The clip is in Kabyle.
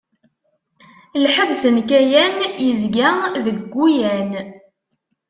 Lḥebs n Kayan yezga-deg Guyane.